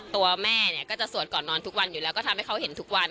ตัวแม่เนี่ยก็จะสวดก่อนนอนทุกวันอยู่แล้วก็ทำให้เขาเห็นทุกวัน